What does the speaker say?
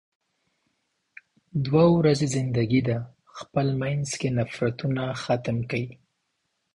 دوه ورځې زندګی ده، خپل مينځ کې نفرتونه ختم کې.